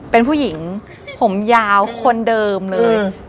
เป็นผู้หญิงผมยาวคนเดิมเลย